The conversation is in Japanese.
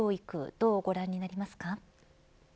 どうご覧になりますか。